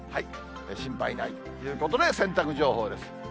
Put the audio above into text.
心配ないということで、洗濯情報です。